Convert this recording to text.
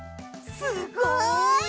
すごい！